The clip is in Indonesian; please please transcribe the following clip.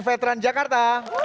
dari upn veteran jakarta